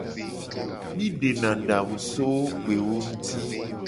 Mi dena adangu so gbewo nguti.